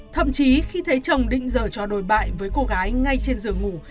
thậm chí khi thấy chồng định dờ cho đòi bại với cô gái ngay trên giường ngủ